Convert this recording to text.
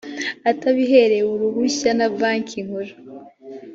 atabiherewe uruhushya na banki nkuru